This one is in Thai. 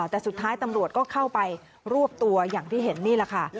แต่สุดท้ายตำรวจก็เข้าไปรวบตัวอย่างที่เห็นนี่แหละค่ะ